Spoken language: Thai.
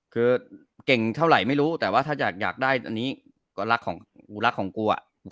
คือเก่งเท่าไหร่ไม่รู้แต่ว่าถ้าอยากได้อันนี้ก็รักของกูรักของกู